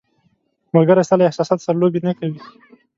ملګری ستا له احساساتو سره لوبې نه کوي.